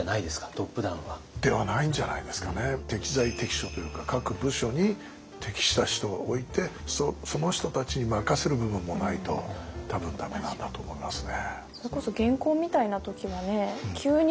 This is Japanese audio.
トップダウンは。ではないんじゃないですかね適材適所というか各部署に適した人をおいてその人たちに任せる部分もないと多分駄目なんだと思いますね。